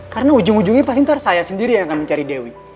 karena ujung ujungnya pasti nanti saya sendiri yang akan mencari dewi